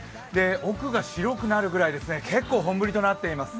奥が白くなるぐらい結構、本降りとなっています。